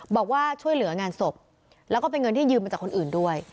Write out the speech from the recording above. บอกว่าช่วยเหลืองานศพแล้วก็เป็นเงินที่ยืมมาจากคนอื่นด้วย